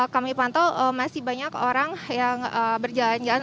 kami pantau masih banyak orang yang berjalan jalan